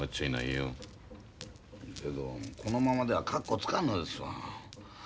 けどこのままでは格好つかんのですわ。